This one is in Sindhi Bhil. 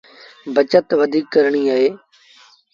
بچت وڌيٚڪ ڪرڻيٚ اهي